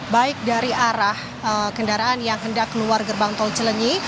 baik dari arah kendaraan yang hendak keluar gerbang tol cilenyi